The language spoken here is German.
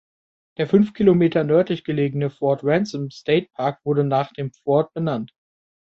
Der fünf Kilometer nördlich gelegene Fort Ransom State Park wurde nach dem Fort benannt.